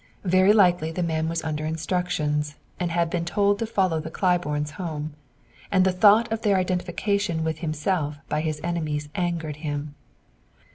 Very likely the man was under instructions, and had been told to follow the Claibornes home; and the thought of their identification with himself by his enemies angered him.